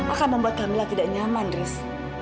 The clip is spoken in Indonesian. akan membuat kamilah tidak nyaman riz